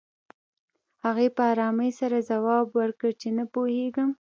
هغې په ارامۍ سره ځواب ورکړ چې نه پوهېږم